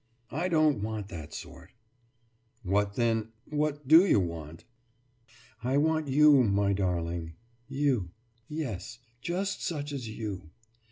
I don't want that sort.« »What, then what do you want?« »I want you, my darling, you. Yes, just such as you.